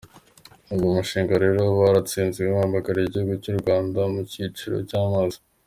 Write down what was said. Uwo mushinga rero ukaba waratsinze nkuhagarariye igihugu cy’uRwanda mu cyiciro cy’amazi.